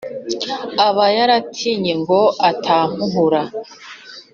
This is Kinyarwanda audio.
aba yaratinye ngo atampuhura.